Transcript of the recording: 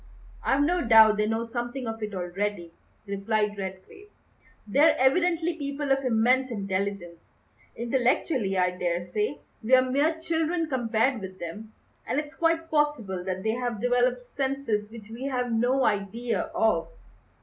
"I've no doubt they know something of it already," replied Redgrave; "they're evidently people of immense intelligence. Intellectually, I daresay, we're mere children compared with them, and it's quite possible that they have developed senses which we have no idea of."